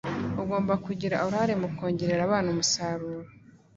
ugomba kugira uruhare mu kongerera abana umusaruro